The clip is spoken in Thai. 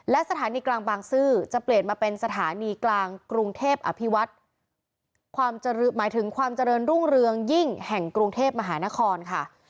และสถานีกลางบางซื่อจะเปลี่ยนมาเป็นสถานีกลางกรุงเทพอภิวัฒน์ความหมายถึงความเจริญรุ่งเรืองยิ่งแห่งกรุงเทพมหานครค่ะ